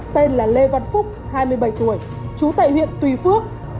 tên là lê văn phúc hai mươi bảy tuổi chú tại huyện tùy phước